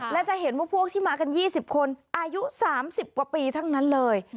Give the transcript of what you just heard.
และจะเห็นว่าพวกที่มากัน๒๐คนอายุ๓๐กว่าปีทั้งนั้นเลย